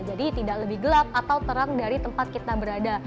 jadi tidak lebih gelap atau terang dari tempat kita berada